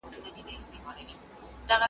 د خرقې د پېرودلو عقل خام دی .